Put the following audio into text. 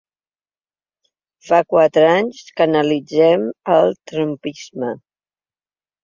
Fa quatre anys que analitzem el ‘Trumpisme’.